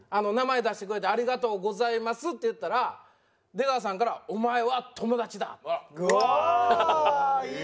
「名前出してくれてありがとうございます」って言ったら出川さんから「お前は友達だ」って。ハハハハ。